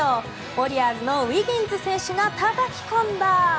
ウォリアーズのウィギンズ選手がたたき込んだ。